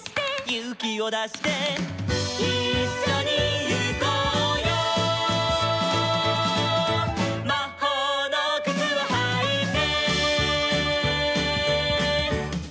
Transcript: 「ゆうきをだして」「いっしょにゆこうよ」「まほうのくつをはいて」